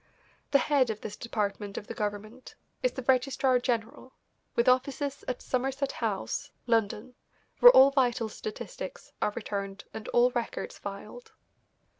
The head of this department of the government is the registrar general, with offices at Somerset House, London, where all vital statistics are returned and all records filed.